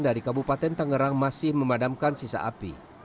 dari kabupaten tangerang masih memadamkan sisa api